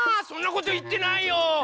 そんなこといってないよ！